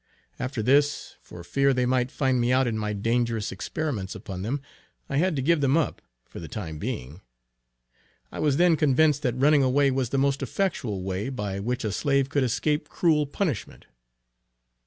After this, for fear they might find me out in my dangerous experiments upon them, I had to give them up, for the time being. I was then convinced that running away was the most effectual way by which a slave could escape cruel punishment.